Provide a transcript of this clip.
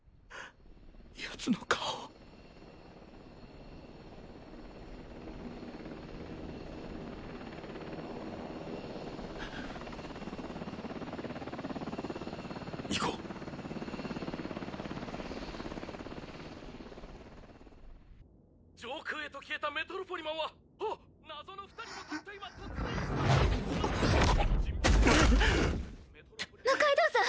やつの顔を行こう上空へと消えたメトロポリマンはあっ謎の２人もたった今六階堂さん